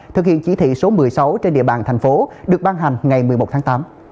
thực hiện chỉ thị số một mươi sáu trên địa bàn thành phố được ban hành ngày một mươi một tháng tám